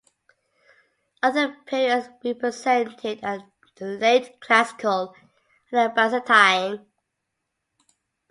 Other periods represented are the Late Classical and the Byzantine.